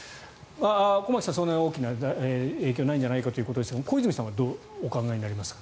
駒木さん、そんなに大きな影響はないんじゃないかということですが小泉さんはどうお考えになりますか？